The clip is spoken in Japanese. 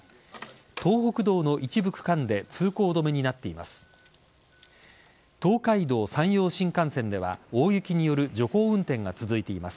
東北道の一部区間で通行止めになっています。